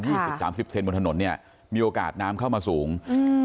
สิบสามสิบเซนบนถนนเนี้ยมีโอกาสน้ำเข้ามาสูงอืม